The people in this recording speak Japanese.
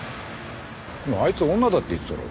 あいつ女だって言ってただろ。